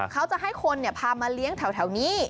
เขาจะให้คนเนี้ยพามาเลี้ยงแถวแถวนี้